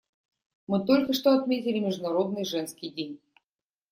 Мы только что отметили Международный женский день.